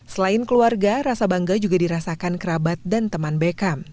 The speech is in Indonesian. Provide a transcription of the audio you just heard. selain keluarga rasa bangga juga dirasakan kerabat dan teman beckham